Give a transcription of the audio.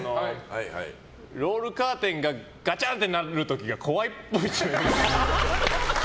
ロールカーテンがガチャンってなる時が怖いっぽい。